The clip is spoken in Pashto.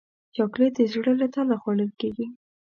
چاکلېټ د زړه له تله خوړل کېږي.